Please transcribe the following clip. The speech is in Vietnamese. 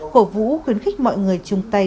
cổ vũ khuyến khích mọi người chung tay